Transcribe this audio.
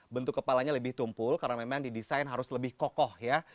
bentuk kepalanya lebih tumpul karena memang didesain harus lebih kokoh ya